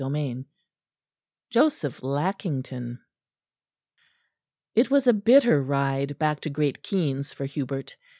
CHAPTER V JOSEPH LACKINGTON It was a bitter ride back to Great Keynes for Hubert.